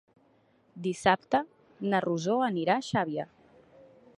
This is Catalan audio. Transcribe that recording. Dissabte na Rosó anirà a Xàbia.